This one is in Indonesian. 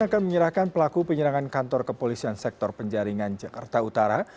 akan menyerahkan pelaku penyerangan kantor kepolisian sektor penjaringan jakarta utara